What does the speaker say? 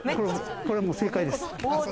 これはもう正解です。